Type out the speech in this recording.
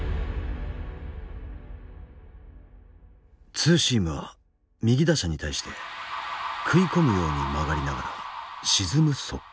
ツーシームは右打者に対して食い込むように曲がりながら沈む速球。